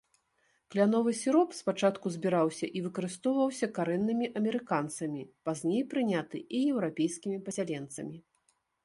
Кляновы сіроп спачатку збіраўся і выкарыстоўваўся карэннымі амерыканцамі, пазней прыняты і еўрапейскімі пасяленцамі.